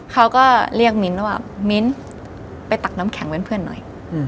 เขาก็เรียกมิ้นท์แล้วว่ามิ้นไปตักน้ำแข็งเป็นเพื่อนหน่อย